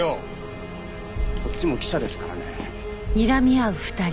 こっちも記者ですからね。